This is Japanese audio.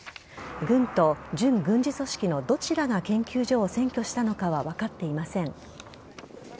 軍と準軍事組織のどちらが研究所を占拠したのかは分かっていません。